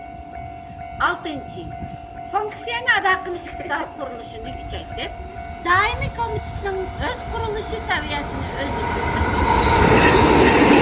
ئالتىنچى، فۇنكسىيەنى ئادا قىلىش ئىقتىدار قۇرۇلۇشىنى كۈچەيتىپ، دائىمىي كومىتېتنىڭ ئۆز قۇرۇلۇشى سەۋىيەسىنى ئۈزلۈكسىز ئۆستۈردۇق.